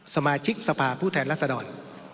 สมาชิกสภาพผู้แทนรัศดร